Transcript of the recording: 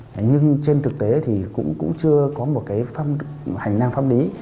thế nhưng trên thực tế thì cũng chưa có một cái hành năng pháp lý